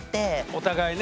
お互いね。